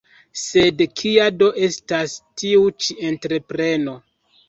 Sed kia do estas tiu ĉi entrepreno.